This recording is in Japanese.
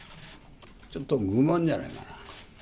ちょっと愚問じゃないかな。